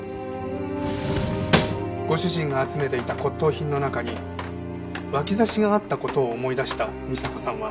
ご主人が集めていた骨董品の中に脇差しがあった事を思い出した美沙子さんは。